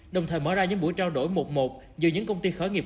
đồng thời mở ra những buổi trao đổi một một giữa những công ty khởi nghiệp